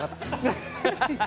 ハハハ！